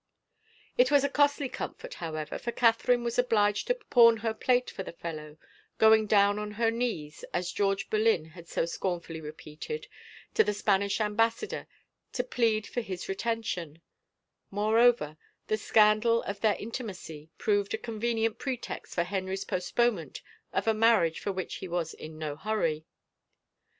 It was a costly comfort, however, for Catherine was obliged to pawn her plate for the fellow, going down on her knees, as George Boleyn had so scornfully repeated, to the Spanish Ambassador to plead for his retention ; moreover, the scandal of their intimacy proved a convenient pretext for Henry's postponement of a mar riage for which he was in no hurry.